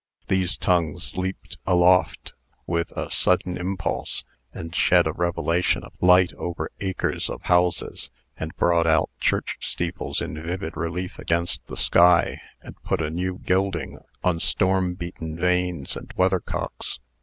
These tongues leaped aloft with a sudden impulse, and shed a revelation of light over acres of houses, and brought out church steeples in vivid relief against the sky, and put a new gilding on storm beat en vanes and weathercocks.